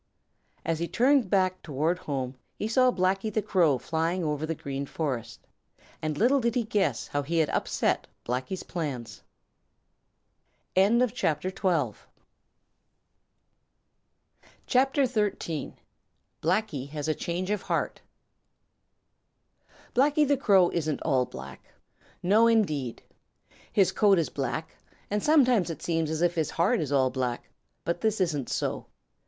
As he turned back toward home, he saw Blacky the Crow flying over the Green Forest, and little did he guess how he had upset Blacky's plans. CHAPTER XIII: Blacky Has A Change Of Heart Blacky The Crow isn't all black. No, indeed. His coat is black, and sometimes it seems as if his heart is all black, but this isn't so.